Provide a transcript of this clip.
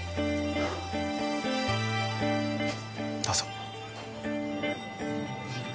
どうぞ。